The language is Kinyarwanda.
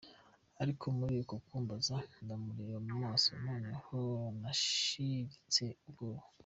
Ariko muri uko kumbaza ndamureba mu maso noneho nashiritse ubwoba.